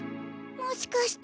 もしかして。